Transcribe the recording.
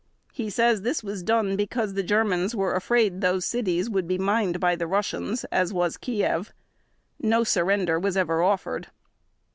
He says this was done because the Germans were afraid those cities would be mined by the Russians as was Kiev. No surrender was ever offered.